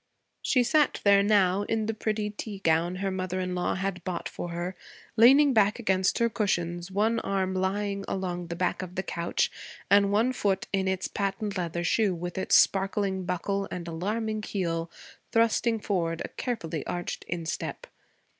She sat there now, in the pretty tea gown her mother in law had bought for her, leaning back against her cushions, one arm lying along the back of the couch and one foot in its patent leather shoe, with its sparkling buckle and alarming heel, thrusting forward a carefully arched instep.